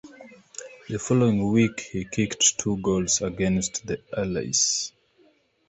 The following week he kicked two goals against the Allies.